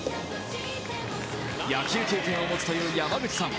野球経験を持つという山口さん